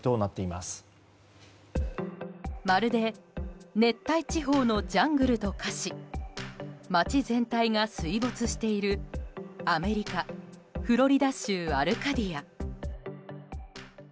まるで熱帯地方のジャングルと化し町全体が水没しているアメリカ・フロリダ州アルカディア。